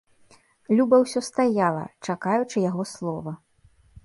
Люба ўсё стаяла, чакаючы яго слова.